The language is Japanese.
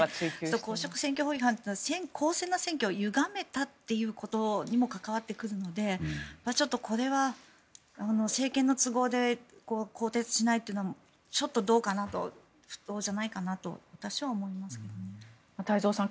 公職選挙法違反というのは公正な選挙をゆがめたということにも関わってくるのでこれは政権の都合で更迭しないというのはちょっとどうかなと不当じゃないかと太蔵さん